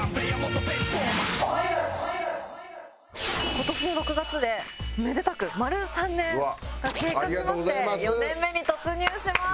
今年の６月でめでたく丸３年が経過しまして４年目に突入します！